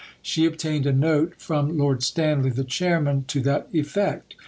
She obtained a note from Lord Stanley, the Chairman, to that effect.